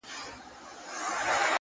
o هغه له منځه ولاړ سي؛